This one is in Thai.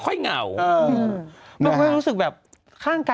คุณแม่ไม่รู้สึกเหงา